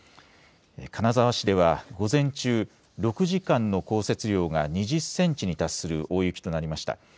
金沢市では午前中、６時間の降雪量が２０センチに達する大雪となりました。